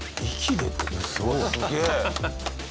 すげえ。